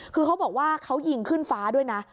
คือเขาบอกว่าเขายิงขึ้นฟ้าด้วยนะ